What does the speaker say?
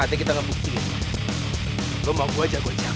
tapi masih yang ada